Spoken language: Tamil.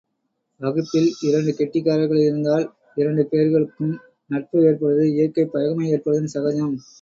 வகுப்பில் இரண்டு கெட்டிக்காரர்கள் இருந்தால், இரண்டு பேர்களுக்கும் நட்பு ஏற்படுவது இயற்கை பகைமை ஏற்படுவதும் சகஜம்.